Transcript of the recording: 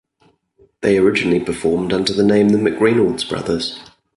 They originally performed under the name, The McReynolds Brothers.